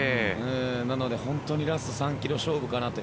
なのでホントにラスト３ｋｍ勝負かなって。